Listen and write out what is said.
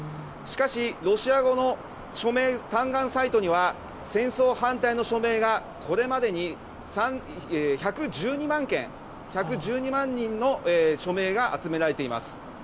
しかしロシア語の署名嘆願サイトには戦争反対の署名がこれまでに１１２万人の署名が集められています。